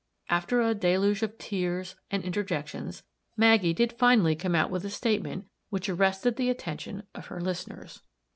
After a deluge of tears and interjections, Maggie did finally come out with a statement which arrested the attention of her listeners.